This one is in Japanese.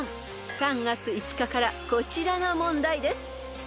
［３月５日からこちらの問題です］